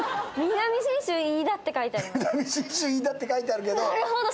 南信州飯田って書いてあるけど。